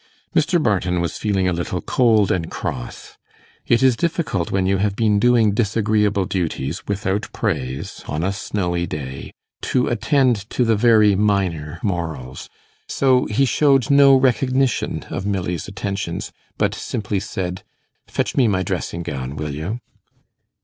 Mr. Barton was feeling a little cold and cross. It is difficult, when you have been doing disagreeable duties, without praise, on a snowy day, to attend to the very minor morals. So he showed no recognition of Milly's attentions, but simply said, 'Fetch me my dressing gown, will you?